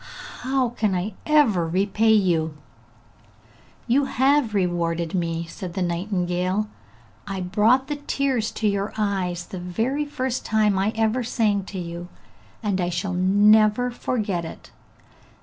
How can I ever repay you?' 'You have rewarded me,' said the nightingale. 'I brought the tears to your eyes, the very first time I ever sang to you, and I shall never forget it!